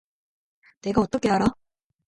내가 어떻게 알아?